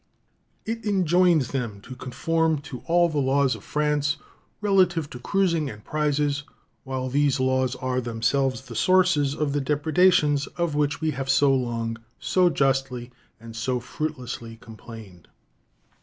It enjoins them to conform to all the laws of France relative to cruising and prizes, while these laws are themselves the sources of the depredations of which we have so long, so justly, and so fruitlessly complained.